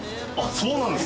そうなんです。